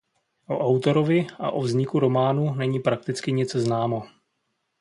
O autorovi a o vzniku románu není prakticky nic známo.